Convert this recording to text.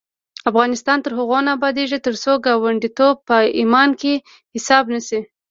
افغانستان تر هغو نه ابادیږي، ترڅو ګاونډیتوب په ایمان کې حساب نشي.